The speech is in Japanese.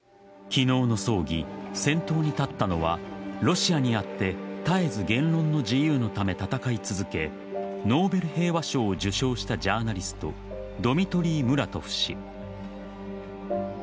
昨日の葬儀先頭に立ったのはロシアにあって絶えず言論の自由のため戦い続けノーベル平和賞を受賞したジャーナリストドミトリー・ムラトフ氏。